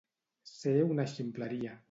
Ser una ximpleria.